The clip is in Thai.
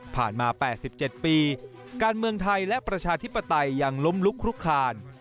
ผ่านมา๘๗ปีการเมืองไทยและประชาธิปไตยยังล้มลุกลุกคาน